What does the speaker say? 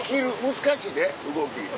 難しいで動き。